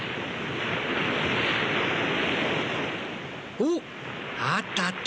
お、あったあった。